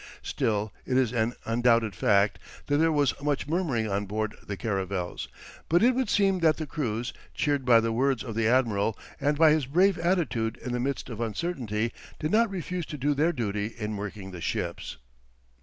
Still, it is an undoubted fact that there was much murmuring on board the caravels, but it would seem that the crews, cheered by the words of the admiral, and by his brave attitude in the midst of uncertainty, did not refuse to do their duty in working the ships.